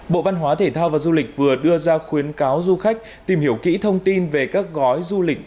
bộ văn hóa thể thao và du lịch vừa đưa ra khuyến cáo du khách tìm hiểu kỹ thông tin về các gói du lịch